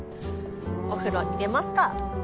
お風呂入れますか！